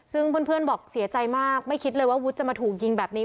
ซึ่งเพื่อนบอกเสียใจมากไม่คิดเลยว่าวุฒิจะมาถูกยิงแบบนี้